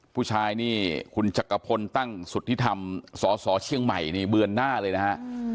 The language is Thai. ผู้ชายนี่คุณจักรพลตั้งสุทธิธรรมสสเชียงใหม่นี่เบือนหน้าเลยนะฮะ